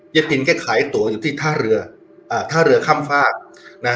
ตินแกขายตัวอยู่ที่ท่าเรืออ่าท่าเรือข้ามฟากนะฮะ